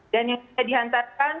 dan yang sudah dihantarkan